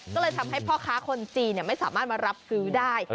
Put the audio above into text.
ก็เลยทำให้พ่อค้าคนจีนไม่สามารถมารับซื้อได้